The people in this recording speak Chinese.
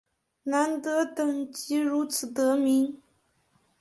南德等即如此得名。